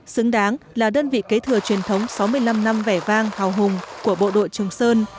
xứng đáng là đơn vị kế thừa truyền thống sáu mươi năm năm vẻ vang hào hùng của bộ đội trường sơn